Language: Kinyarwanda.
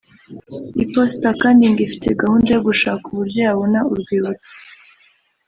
Iposita kandi ngo ifite gahunda yo gushaka uburyo yabona urwibutso